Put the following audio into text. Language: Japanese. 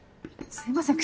すいません